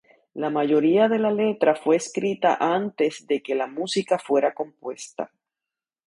La mayoría de la letra fue escrita antes de que la música fuera compuesta.